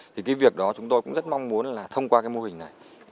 thì cái việc đó chúng tôi cũng rất mong muốn là thông qua cái mô hình này